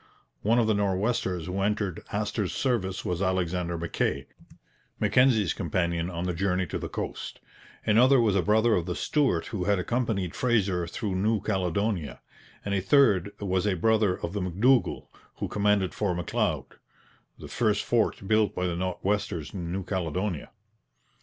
One of the Nor'westers who entered Astor's service was Alexander Mackay, Mackenzie's companion on the journey to the coast; another was a brother of the Stuart who had accompanied Fraser through New Caledonia; and a third was a brother of the M'Dougall who commanded Fort M'Leod, the first fort built by the Nor'westers in New Caledonia.